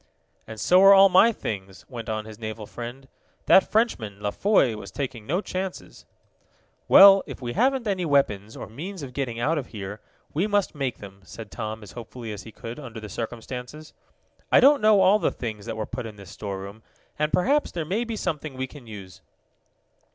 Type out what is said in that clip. "And so are all my things," went on his naval friend. "That Frenchman, La Foy, was taking no chances." "Well, if we haven't any weapons, or means of getting out of here, we must make them," said Tom, as hopefully as he could under the circumstances. "I don't know all the things that were put in this storeroom, and perhaps there may be something we can use."